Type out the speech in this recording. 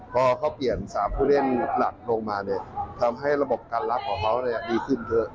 พอเขาเปลี่ยน๓ผู้เล่นหนักลงมาเนี่ยทำให้ระบบการรักของเขาดีขึ้นเยอะ